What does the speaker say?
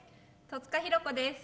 戸塚寛子です。